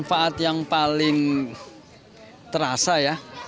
manfaat yang paling terasa ya